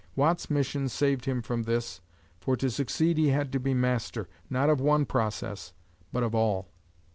Watt's mission saved him from this, for to succeed he had to be master, not of one process, but of all.